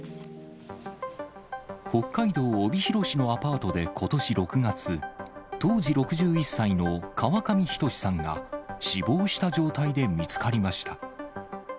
北海道帯広市のアパートでことし６月、当時６１歳の川上仁志さんが、死亡した状態で見つかりました。